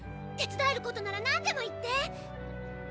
手伝えることならなんでも言って。